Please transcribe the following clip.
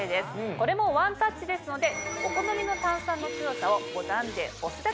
これもワンタッチですのでお好みの炭酸の強さをボタンで押すだけです。